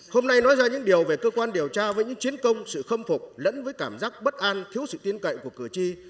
hôm nay nói ra những điều về cơ quan điều tra với những chiến công sự khâm phục lẫn với cảm giác bất an thiếu sự tin cậy của cử tri